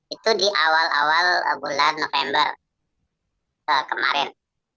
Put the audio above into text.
itu di awal awal bulan november kemarin